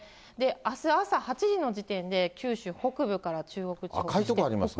あす朝８時の時点で、九州北部から中国地方にかけて。